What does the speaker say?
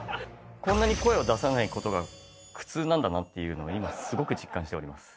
こんなに声を出さないことが、苦痛なんだなっていうのを今すごく実感しております。